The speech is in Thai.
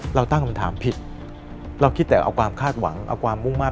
เราตั้งคำถามผิดเราคิดแต่เอาความคาดหวังเอาความมุ่งมั่น